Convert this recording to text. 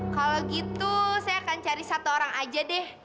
kalau gitu saya akan cari satu orang aja deh